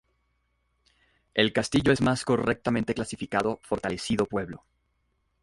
El castillo es más correctamente clasificado fortalecido pueblo.